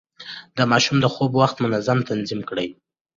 د ماشوم د خوب وخت منظم تنظيم کړئ.